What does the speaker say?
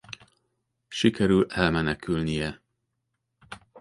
Sikerül elmenekülnie.